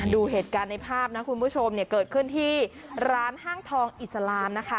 ดูเหตุการณ์ในภาพนะคุณผู้ชมเนี่ยเกิดขึ้นที่ร้านห้างทองอิสลามนะคะ